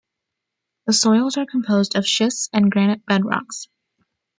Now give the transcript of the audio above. The soils are composed of schists and granite bedrocks.